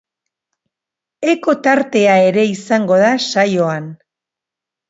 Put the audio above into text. Eko tartea ere izango da saioan.